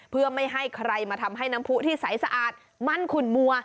เพื่อไม่ให้ใครมาทำให้น้ำผู้ที่ใสสะอาดมั่นขุนมัว